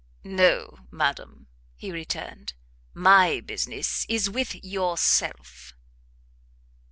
"No, madam," he returned, "my business is with yourself."